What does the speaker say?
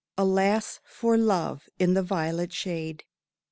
Alas for love in the violet shade!